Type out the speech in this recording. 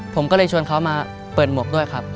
ผมก็เลยชวนเขามาเปิดหมวกด้วยครับ